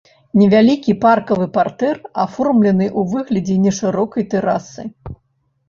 Невялікі паркавы партэр аформлены ў выглядзе нешырокай тэрасы.